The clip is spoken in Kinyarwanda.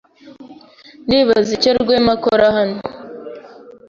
Ndibaza icyo Rwema akora hano.